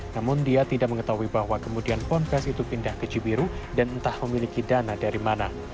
namun dia tidak mengetahui bahwa kemudian ponpes itu pindah ke cibiru dan entah memiliki dana dari mana